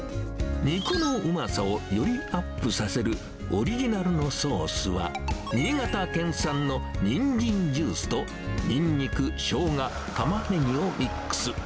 肉のうまさをよりアップさせる、オリジナルのソースは、新潟県産のニンジンジュースと、ニンニク、ショウガ、タマネギをミックス。